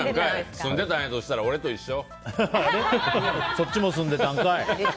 住んでたんやとしたら俺と一緒。